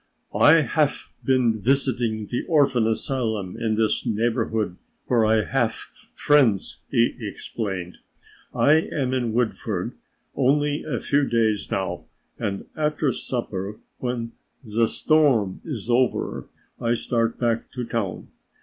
"I haf been visiting the Orphan Asylum in this neighborhood where I haf friends," he explained. "I am in Woodford only a few days now and after supper when the storm is over I start back to town.